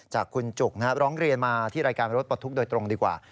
จากคุณจุกร้องเรียนมาที่รายการรถปลดทุกข์โดยตรงดีกว่า